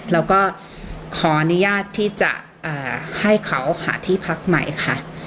แล้วก็ขออนุญาตที่จะให้เขาหาที่พักใหม่ค่ะ